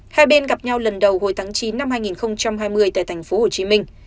hai bên gặp nhau lần đầu hồi tháng chín năm hai nghìn hai mươi tại thành phố hồ chí minh